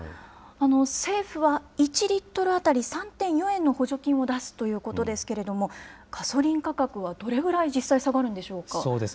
政府は１リットル当たり３．４円の補助金を出すということですけれども、ガソリン価格はどれくらい実際下がるんでしょうか。